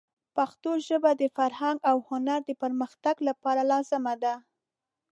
پښتو ژبه د فرهنګ او هنر د پرمختګ لپاره لازمه ده.